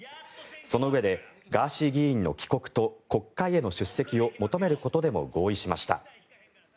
そのうえでガーシー議員の帰国と国会への出席を求めることでも合意しました。